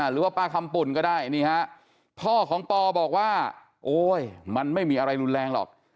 หรือว่าป้าคำปุ่นก็ได้นี่ฮะพ่อของปอบอกว่าโอ๊ยมันไม่มีอะไรรุนแรงหรอก